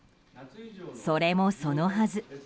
それもそのはず。